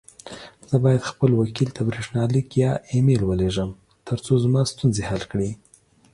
زه بايد خپل وکيل ته بريښناليک يا اى ميل وليږم، ترڅو زما ستونزي حل کړې.